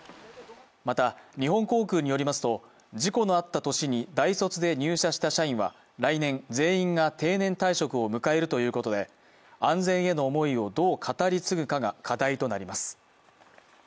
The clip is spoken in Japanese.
また、日本航空によりますと事故のあった年に大卒で入社した社員は来年、全員が定年退職を迎えるということで、安全への思いをどう語り継ぐかが課題となります。